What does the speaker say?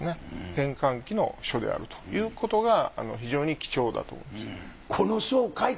転換期の書であるということが非常に貴重だと思いました。